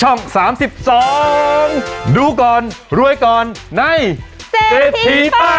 โหดี